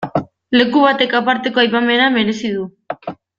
Leku batek aparteko aipamena merezi du.